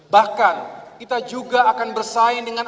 bahkan kita juga akan bersaing dengan